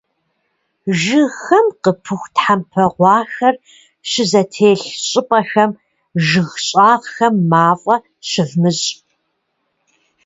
Жыгхэм къапыху тхьэмпэ гъуахэр щызэтелъ щӀыпӀэхэм, жыг щӀагъхэм мафӀэ щывмыщӀ.